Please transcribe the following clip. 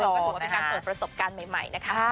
ก็ถือว่าเป็นการเปิดประสบการณ์ใหม่นะคะ